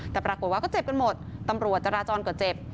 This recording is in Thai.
แต่ปรากฏว่าก็เจ็บกันหมดตำรวจจราจรก็เจ็บ